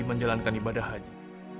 menjalankan ibadah haji